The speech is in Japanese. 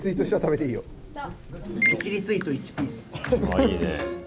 あいいね。